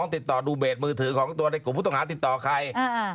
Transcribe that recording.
ติดต่อดูเบสมือถือของตัวในกลุ่มผู้ต้องหาติดต่อใคร